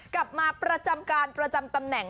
กลับมาประจำการประจำตำแหน่ง